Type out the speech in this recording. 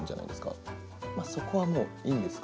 そこはもういいんですか？